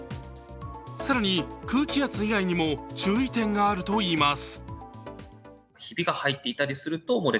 更に、空気圧以外にも注意点があるといいます。